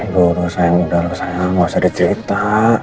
duh sayang udah sayang gak usah dicerita